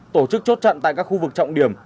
tổ chức chốt chặn tại các khu vực trọng điểm